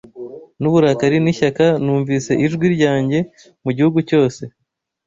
n'uburakari n'ishyaka numvise ijwi ryanjye mu gihugu cyose